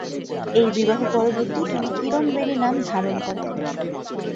এই বিবাহ পরবর্তী তিনি 'কিরণ বেরি' নাম ধারণ করেন।